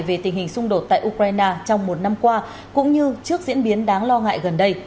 về tình hình xung đột tại ukraine trong một năm qua cũng như trước diễn biến đáng lo ngại gần đây